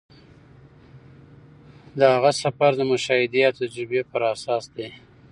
د هغه سفر د مشاهدې او تجربې پر اساس دی.